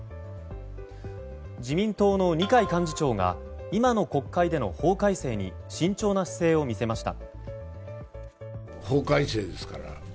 自民党の二階幹事長が今の国会での法改正に慎重な姿勢を見せました。